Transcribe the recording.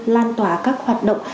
lan tỏa các hoạt động